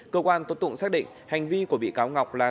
cơ quan tốt tụng xác định hành vi của bị cáo ngọc là